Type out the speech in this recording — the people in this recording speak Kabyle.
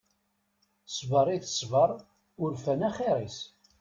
Sber i tesber urfan axir-is.